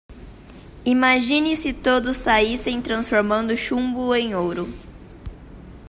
Imagine se todos saíssem transformando chumbo em ouro.